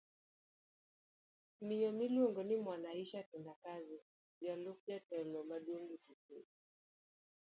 Miyo miluongo ni Mwanaisha Tendakazi jalup jatelo maduong' eskul